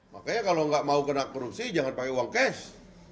makanya kalau nggak mau kena korupsi jangan pakai uang cash